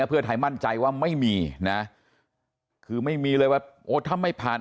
เพื่อไทยมั่นใจว่าไม่มีนะคือไม่มีเลยว่าโอ้ถ้าไม่ผ่าน